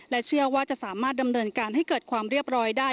และเชื่อว่าจะสามารถดำเนินการให้มีวัดทำร้อยได้